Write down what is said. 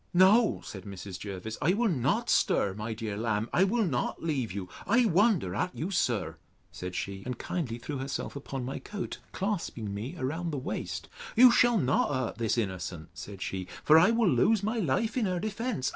No, said Mrs. Jervis, I will not stir, my dear lamb; I will not leave you. I wonder at you, sir, said she; and kindly threw herself upon my coat, clasping me round the waist: You shall not hurt this innocent, said she: for I will lose my life in her defence.